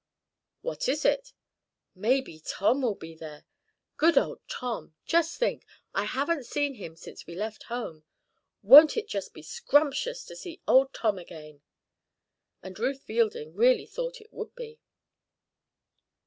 "What is it?" "Maybe Tom will be there. Good old Tom! Just think I haven't seen him since we left home. Won't it be just scrumptious to see old Tom again?" And Ruth Fielding really thought it would be.